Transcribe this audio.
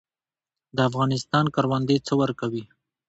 د افغانستان کروندې څه ورکوي؟